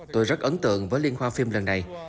tôi rất ấn tượng với liên hoa phim lần này